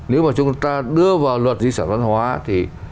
nếu mà chúng ta đưa vào luật di sản văn hóa thì